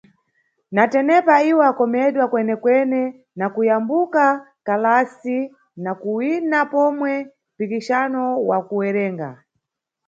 Na tenepa, iwo akomedwa kwenekwene na kuyambuka kalasi na kuwina pomwe mpikisano wa kuwerenga.